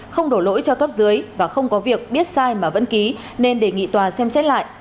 không đổ lỗi cho cấp dưới và không có việc biết sai mà vẫn ký nên đề nghị tòa xem xét lại